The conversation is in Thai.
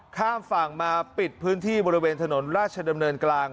ข้ามฝั่งมาปิดพื้นที่บริเวณถนนราชดำเนินกลาง